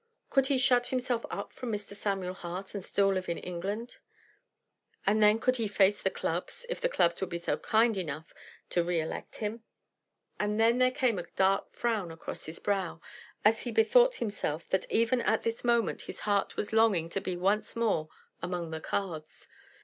Could he shut himself up from Mr. Samuel Hart and still live in England? And then could he face the clubs, if the clubs would be kind enough to re elect him? And then there came a dark frown across his brow, as he bethought himself that even at this moment his heart was longing to be once more among the cards.